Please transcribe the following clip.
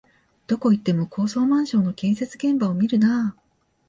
どこ行っても高層マンションの建設現場を見るなあ